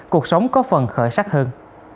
cuộc sống có phần khởi sắc hơn